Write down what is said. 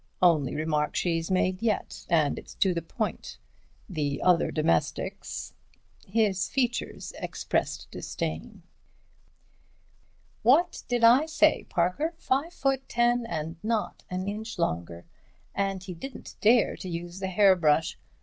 Only remark she's made yet, and it's to the point. The other domestics—" His features expressed disdain. "What did I say, Parker? Five foot ten and not an inch longer. And he didn't dare to use the hairbrush.